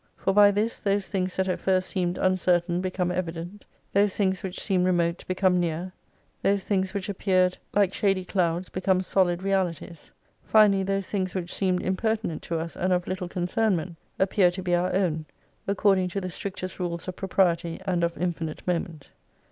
For by this those things that at first seemed uncertain become evident, those things which seemed remote become near, those things which appeared like shady 3H clouds become solid realities : finally, those things which seemed impertinent to us and of little concernment, appear to be our own, according to the strictest rules of propriety and of infinite moment.